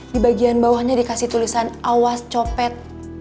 di bagian bawahnya dikasih tulisan awas copet